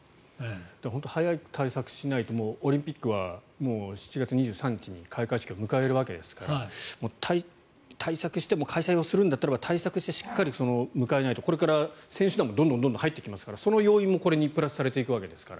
本当に早い対策をしないとオリンピックは７月２３日に開会式を迎えるわけですから対策しても開催をするんだったら対策して、しっかり迎えないとこれから選手団もどんどん入ってきますからその要因もこれにプラスされていくわけですから。